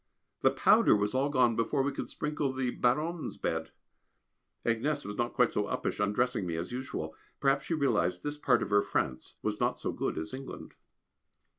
The powder was all gone before we could sprinkle the Baronne's bed. Agnès was not quite so uppish undressing me as usual. Perhaps she realised this part of her France was not so good as England.